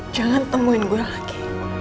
jangan temuin gue lagi